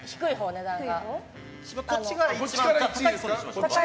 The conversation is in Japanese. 値段が。